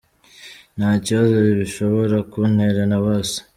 Nta kibazo bishobora kuntera na busa.